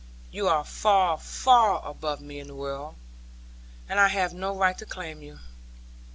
You are far, far above me in the world, and I have no right to claim you.